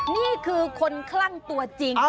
นี่คือคนคลั่งตัวจริง